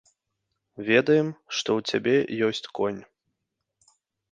Ведаем, што ў цябе ёсць конь.